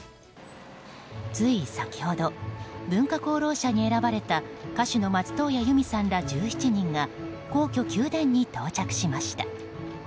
つい先ほど文化功労者に選ばれた歌手の松任谷由実さんら１７人が皇居・宮殿に到着しました。